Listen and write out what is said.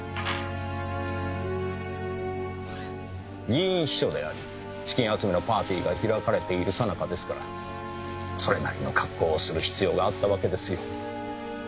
議員秘書であり資金集めのパーティーが開かれているさなかですからそれなりの格好をする必要があったわけですよ。